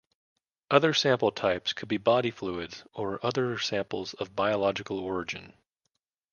Other sample types could be body fluids or other samples of biological origin.